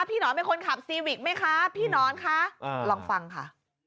หนอนเป็นคนขับซีวิกไหมคะพี่หนอนคะลองฟังค่ะ